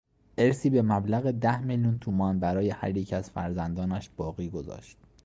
ارثی به مبلغ ده میلیون تومانبرای هر یک از فرزندانش باقی گذاشت.